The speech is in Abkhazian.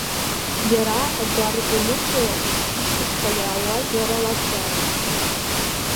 Иара, агәарԥ данықәгылаз, ишьҭахьҟа иааиуаз лара лакәзаарын.